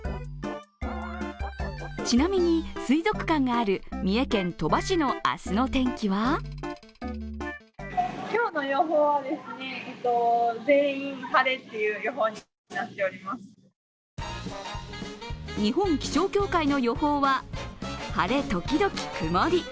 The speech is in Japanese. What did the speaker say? ちなみに、水族館がある三重県鳥羽市の明日の天気は日本気象協会の予報は晴れ時々曇り。